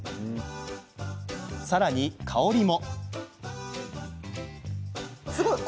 さらに香りも。